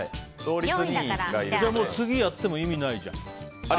次やっても意味ないじゃん。